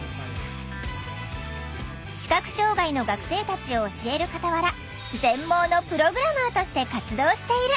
視覚障害の学生たちを教える傍ら全盲のプログラマーとして活動している。